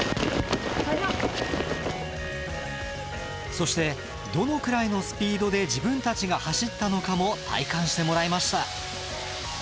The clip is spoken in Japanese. そしてどのくらいのスピードで自分たちが走ったのかも体感してもらいました。